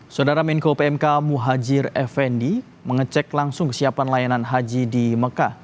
saudara menko pmk muhajir effendi mengecek langsung kesiapan layanan haji di mekah